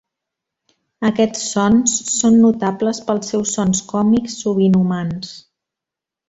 Aquests sons són notables pels seus sons còmics, sovint humans.